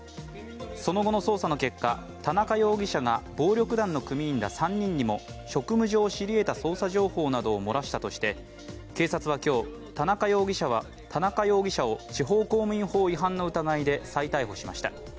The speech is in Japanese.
その後の捜査の結果田中容疑者が暴力団の組員ら３人にも職務上知り得た捜査情報などを漏らしたとして警察は今日、田中容疑者を地方公務員法違反の疑いで再逮捕しました。